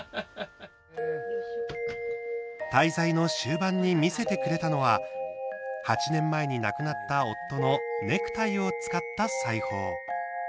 滞在の終盤に見せてくれたのは８年前に亡くなった夫のネクタイを使った裁縫。